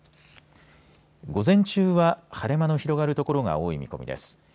午前中は晴れ間の広がる所が多い見込みです。